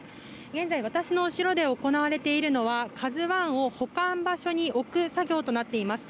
現在、私の後ろで行われているのは「ＫＡＺＵ１」を保管場所に置く場所となっています。